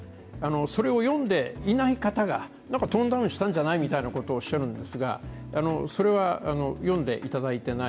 それを読んでいない方が、トーンダウンしたんじゃないみたいなことをおっしゃるんですが、それは読んでいただいていない。